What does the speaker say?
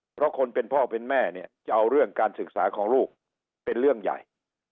เพราะคนเป็นพ่อเป็นแม่เนี่ยจะเอาเรื่องการศึกษาของลูกเป็นเรื่องใหญ่